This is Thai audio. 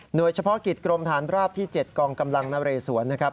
โดยเฉพาะกิจกรมฐานราบที่๗กองกำลังนเรสวนนะครับ